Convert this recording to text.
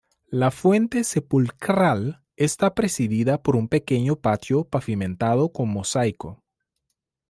La fuente sepulcral está precedida por un pequeño patio pavimentado con mosaico.